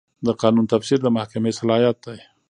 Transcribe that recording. د قانون تفسیر د محکمې صلاحیت دی.